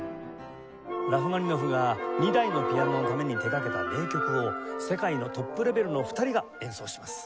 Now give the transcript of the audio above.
ラフマニノフが２台のピアノのために手がけた名曲を世界のトップレベルの２人が演奏します。